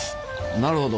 なるほど。